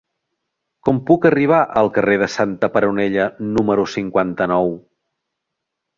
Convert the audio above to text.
Com puc arribar al carrer de Santa Peronella número cinquanta-nou?